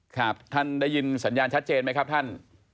ครับท่านได้ยินสัญญาณชัดเจนไหมครับท่าน